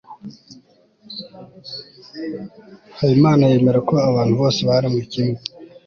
habimana yemera ko abantu bose baremwe kimwe